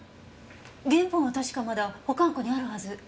原本は確かまだ保管庫にあるはず。